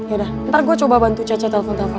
yaudah ntar gue coba bantu caca telepon telepon